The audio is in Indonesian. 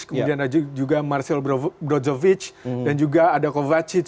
kemudian ada juga marcel brozovic dan juga ada kovacic